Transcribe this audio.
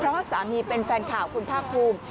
เพราะว่าสามีเป็นแฟนข่าวคุณภาคภูมิ